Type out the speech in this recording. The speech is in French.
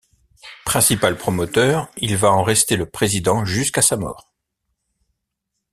Principal promoteur, il va en rester le président jusqu'à sa mort.